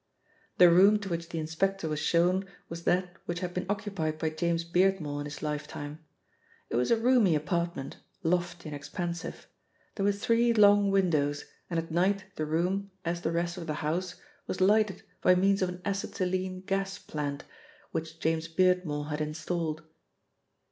The room to which the inspector was shown was that which had been occupied by James Beardmore in his lifetime. It was a roomy apartment, lofty and expansive. There were three long windows, and at night the room, as the rest of the house, was lighted by means of an acetylene gas plant which James Beardmore had installed.